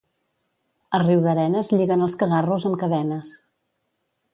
A Riudarenes lliguen els cagarros amb cadenes.